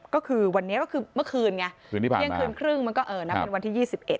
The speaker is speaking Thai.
ก็คือวันนี้ก็คือเมื่อคืนไงเที่ยงคืนครึ่งมันก็เออนับเป็นวันที่๒๑